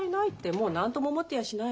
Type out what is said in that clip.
もう何とも思ってやしないわよ。